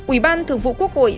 ủy ban thường vụ quốc hội